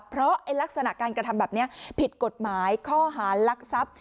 เพราะลักษณะการกระทำแบบนี้ผิดกฎหมายข้อหารลักทรัพย์